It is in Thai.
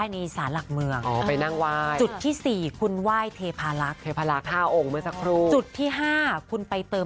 นี่คือเส้นติ้นพิธีอันศักดิ์สิทธิ์